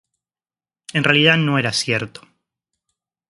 En realidad, no era cierto.